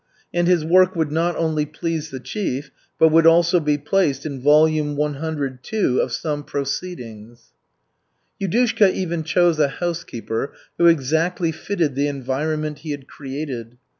And his work would not only please the chief, but would also be placed in Volume CII of some "Proceedings." Yudushka even chose a housekeeper who exactly fitted the environment he had created.